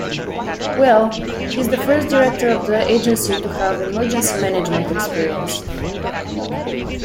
Well, he is the first director of the agency to have emergency-management experience.